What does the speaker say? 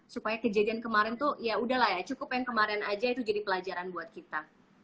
supaya kejadian kemarin tuh ya udahlah ya cukup yang kemarin aja itu jadi pelajaran buat kita